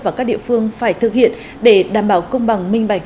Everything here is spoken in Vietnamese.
và các địa phương phải thực hiện để đảm bảo công bằng minh bạch